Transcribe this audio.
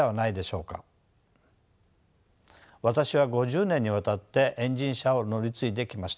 私は５０年にわたってエンジン車を乗り継いできました。